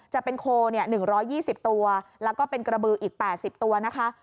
จะเป็นโค๑๒๐ตัวแล้วก็เป็นกระบืออีก๘๐ตัวนะคะ